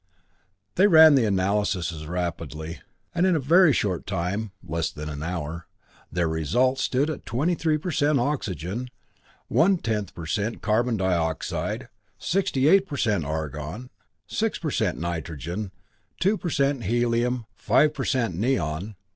They ran the analyses rapidly, and in a very short time less than an hour their results stood at 23 per cent oxygen, .1 per cent carbon dioxide, 68 per cent argon, 6 per cent nitrogen, 2 per cent helium, 5 per cent neon, .